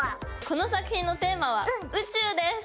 この作品のテーマは宇宙です！